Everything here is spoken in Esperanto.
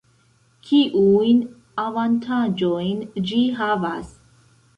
Kiujn avantaĝojn ĝi havas?